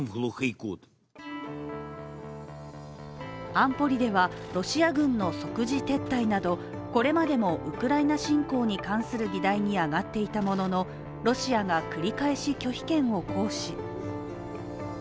安保理では、ロシア軍の即時撤退などこれまでもウクライナ侵攻に関する議題に上がっていたものの、ロシアが繰り返し拒否権を行使。